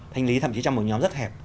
thanh lý thậm chí trong một nhóm rất hẹp